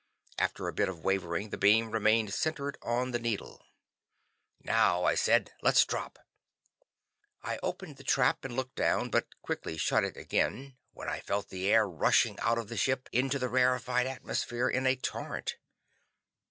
After a bit of wavering, the beam remained centered on the needle. "Now," I said, "let's drop." I opened the trap and looked down, but quickly shut it again when I felt the air rushing out of the ship into the rarefied atmosphere in a torrent.